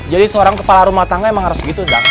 jadi seorang kepala rumah tangga emang harus gitu dah